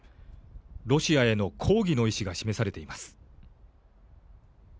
ロシアへの抗議の意思が示されています。